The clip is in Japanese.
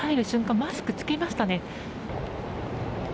マスクを着けましたね。